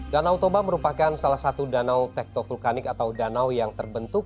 danau toba merupakan salah satu danau tekto vulkanik atau danau yang terbentuk